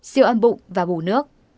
siêu âm bụng và bù nước